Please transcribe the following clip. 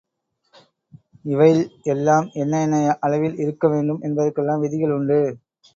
இவைள் எல்லாம் என்ன என்ன அளவில் இருக்க வேண்டும் என்பதற்கெல்லாம் விதிகள் உண்டு.